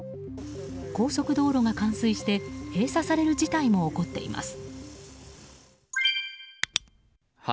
高速道路が冠水して閉鎖される事態も起こっています。